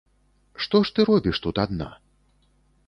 Што ж ты робіш тут адна?